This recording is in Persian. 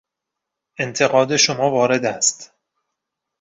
انتقاد شما وارد است.